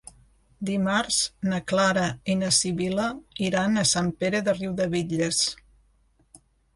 Dimarts na Clara i na Sibil·la iran a Sant Pere de Riudebitlles.